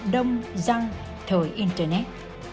đông răng thời internet